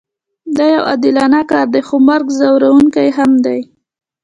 دا یو عادلانه کار دی خو مرګ ځورونکی هم دی